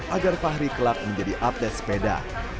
agar fahri kelak menjadi atlet sepeda